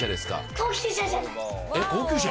高級車じゃない。